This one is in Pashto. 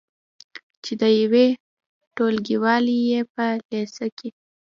چې د یوې ټولګیوالې یې په لیسه کې